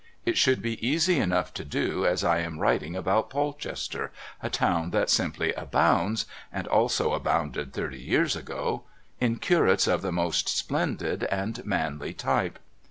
It should be easy enough to do, as I am writing about Polchester, a town that simply abounds and also abounded thirty years ago in curates of the most splendid and manly type.